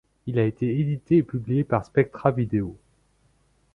Il a été édité et publié par SpectraVideo.